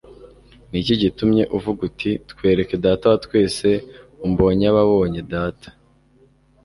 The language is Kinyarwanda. Ni iki gitumye uvuga uti: Twereke Data wa twese... umbonye aba abonye Data."